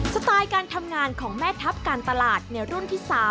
สไตล์การทำงานของแม่ทัพการตลาดในรุ่นที่๓